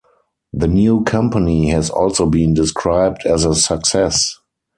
The new company has also been described as a success.